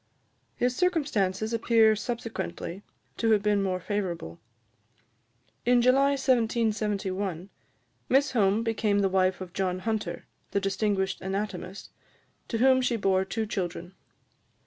His circumstances appear subsequently to have been more favourable. In July 1771, Miss Home became the wife of John Hunter, the distinguished anatomist, to whom she bore two children.